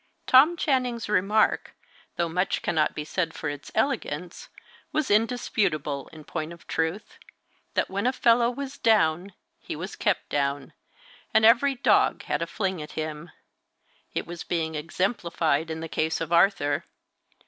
Tom Channing's remark, though much cannot be said for its elegance, was indisputable in point of truth that when a fellow was down, he was kept down, and every dog had a fling at him It was being exemplified in the case of Arthur.